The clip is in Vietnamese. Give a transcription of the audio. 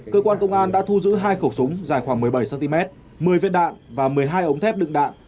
cơ quan công an đã thu giữ hai khẩu súng dài khoảng một mươi bảy cm một mươi viết đạn và một mươi hai ống thép đựng đạn